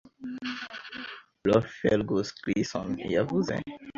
Prof Fergus Gleeson, yavuze